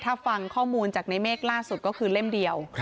ถ้าฟังข้อมูลจากในเมฆล่าสุดก็คือเล่มเดียว